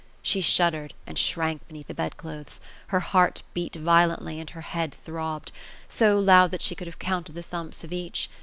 She shuddered ; and shrank beneath the bed clothes. Iler heart beat violently, and her head throbbed. — so loud that she could have counted the thumps of each.